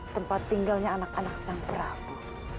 tempat tinggalnya anak anak sang perahu